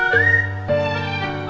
oke aku beli